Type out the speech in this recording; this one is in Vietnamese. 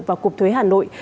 và cục thuế hà nội